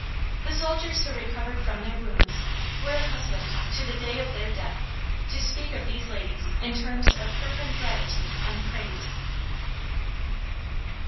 The soldiers who recovered from their wounds, were accustomed, to the day of their death, to speak of these ladies in terms of fervent gratitude and praise."